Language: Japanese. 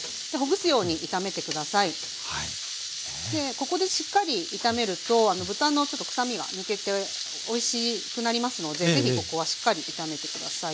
ここでしっかり炒めると豚のちょっと臭みが抜けておいしくなりますので是非ここはしっかり炒めて下さい。